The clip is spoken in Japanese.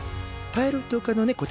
パイロット科のねこ